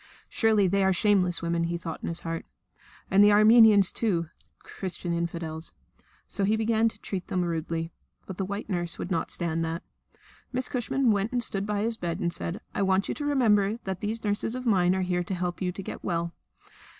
"Surely they are shameless women," he thought in his heart. "And they are Armenians too Christian infidels!" So he began to treat them rudely. But the white nurse would not stand that. Miss Cushman went and stood by his bed and said: "I want you to remember that these nurses of mine are here to help you to get well.